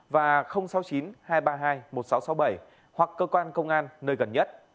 và sáu mươi chín hai trăm ba mươi hai một nghìn sáu trăm sáu mươi bảy hoặc cơ quan công an nơi gần nhất